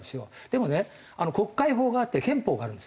でもね国会法があって憲法があるんですね。